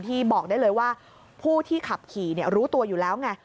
บอกได้เลยว่าผู้ที่ขับขี่รู้ตัวอยู่แล้วไง